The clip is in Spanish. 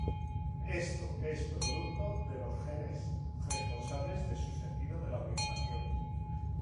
Esto es producto de los genes responsables de su sentido de la orientación.